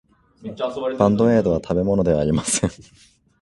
バンドエードは食べ物ではありません。